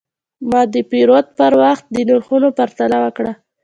ما د پیرود پر وخت د نرخونو پرتله وکړه.